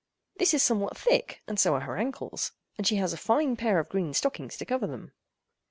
This is somewhat thick, and so are her ankles, but she has a fine pair of green stockings to cover them.